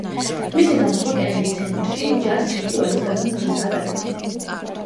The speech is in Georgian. მისი გამოსვლა კენედის ცენტრში ჯაზ ფესტივალის გახსნის დღესაა დაგეგმილი.